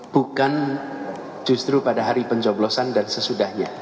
bukan justru pada hari pencoblosan dan sesudahnya